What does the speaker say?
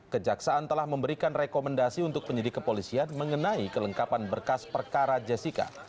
kejaksaan telah memberikan rekomendasi untuk penyidik kepolisian mengenai kelengkapan berkas perkara jessica